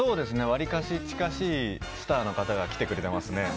割かし近しいスターの方が来てくれていますね。